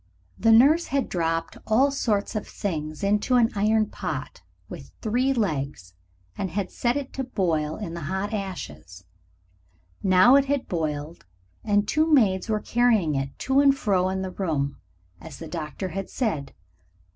The nurse had dropped all sorts of things into an iron pot with three legs, and had set it to boil in the hot ashes. Now it had boiled, and two maids were carrying it to and fro in the room, as the doctor had said.